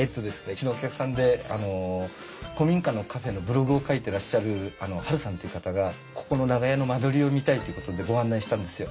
うちのお客さんで古民家のカフェのブログを書いてらっしゃるハルさんっていう方がここの長屋の間取りを見たいということでご案内したんですよ。